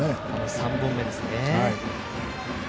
３本目ですね。